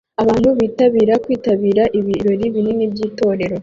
Abantu bitegura kwitabira ibirori binini by'itorero